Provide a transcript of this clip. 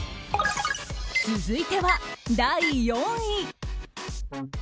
続いては第４位。